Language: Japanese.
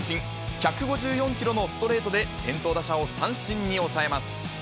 １５４キロのストレートで先頭打者を三振に抑えます。